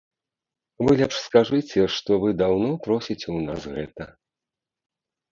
Вы лепш скажыце, што вы даўно просіце ў нас гэта.